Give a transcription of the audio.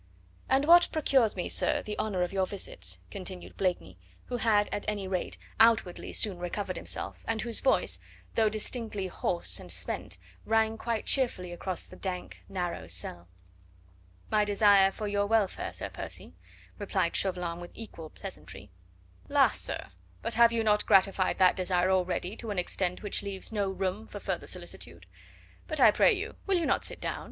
"And what procures me, sir, the honour of your visit?" continued Blakeney, who had at any rate, outwardly soon recovered himself, and whose voice, though distinctly hoarse and spent, rang quite cheerfully across the dank narrow cell. "My desire for your welfare, Sir Percy," replied Chauvelin with equal pleasantry. "La, sir; but have you not gratified that desire already, to an extent which leaves no room for further solicitude? But I pray you, will you not sit down?"